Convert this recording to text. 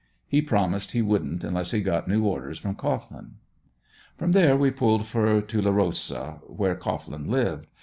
He promised he wouldn't unless he got new orders from Cohglin. From there we pulled for Tulerosa where Cohglin lived.